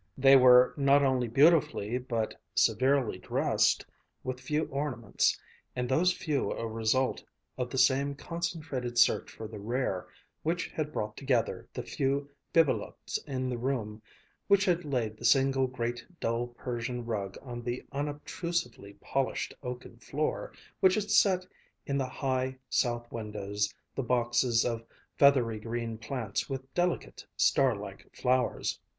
They were not only beautifully but severely dressed, with few ornaments, and those few a result of the same concentrated search for the rare which had brought together the few bibelots in the room, which had laid the single great dull Persian rug on the unobtrusively polished oaken floor, which had set in the high, south windows the boxes of feathery green plants with delicate star like flowers.